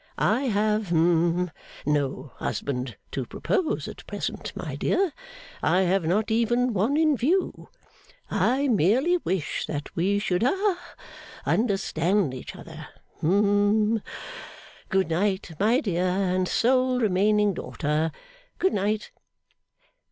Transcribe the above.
I have hum no husband to propose at present, my dear: I have not even one in view. I merely wish that we should ha understand each other. Hum. Good night, my dear and sole remaining daughter. Good night.